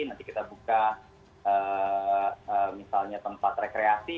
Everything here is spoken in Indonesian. nanti kita buka misalnya tempat rekreasi